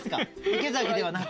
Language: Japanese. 池崎ではなく？